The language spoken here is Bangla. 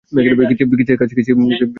কিসের কাজ, বলো।